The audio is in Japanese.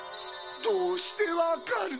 どうしてわかる？